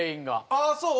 ああそう？